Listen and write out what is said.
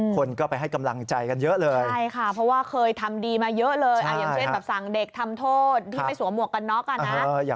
คนก็ไปให้กำลังใจกันเยอะเลย